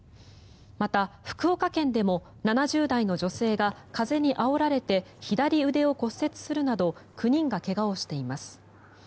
また福岡県でも７０代の女性が風にあおられて左腕を骨折するなど９人が怪我をしています。